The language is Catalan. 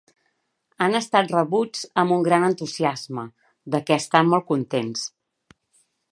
Han estat rebuts amb un gran entusiasme; de què estan molt contents.